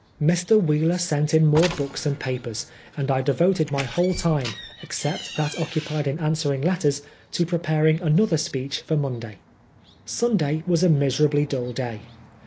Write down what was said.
Mr. Wheeler sent in more books and papers, and I devoted my whole time, except that occupied in answering letters, to pre paring another speech for Monday. Sunday was a miserably dull day.